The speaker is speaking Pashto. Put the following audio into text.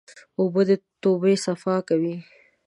اوبه د توبه صفا کوي.